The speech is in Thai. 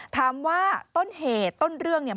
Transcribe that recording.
ถามว่าต้นเหตุต้นเรื่องเนี่ย